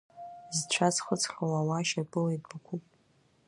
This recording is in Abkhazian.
Зцәа зхыҵхьоу ауаа шьапыла идәықәуп!